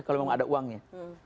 kalau memang ada uangnya